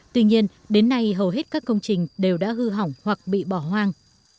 tuy nhiên đến nay hầu hết các công trình đều đã hư hỏng hoặc bị bỏ hoang